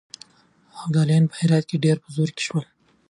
ابدالیان په هرات کې ډېر په زور کې شول.